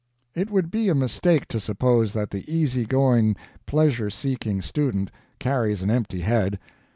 It would be a mistake to suppose that the easy going pleasure seeking student carries an empty head.